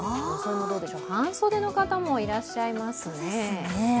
装い、半袖の方もいらっしゃいますね。